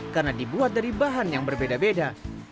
karena dibuat dari bahan yang berbeda beda